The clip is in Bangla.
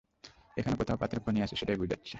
এখানে কোথাও পাথরের খনি আছে, সেটাই বুঝাচ্ছে।